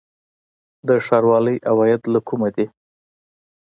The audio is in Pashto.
د ښاروالۍ عواید له کومه دي؟